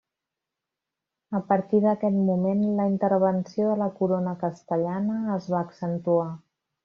A partir d'aquest moment la intervenció de la corona castellana es va accentuar.